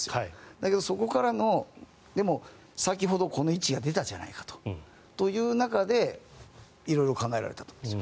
だけど、そこからのでも、先ほど位置が出たじゃないかという中で色々考えられたと思うんです。